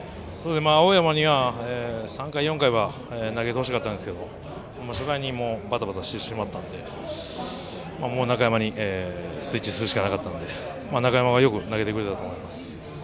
青山には３回、４回は投げてほしかったんですけど初回にバタバタしてしまったのでもう中山にスイッチするしかなかったので中山がよく投げてくれたと思います。